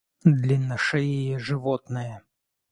Длинношеее животное